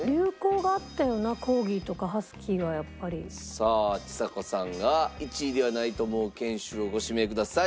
さあちさ子さんが１位ではないと思う犬種をご指名ください。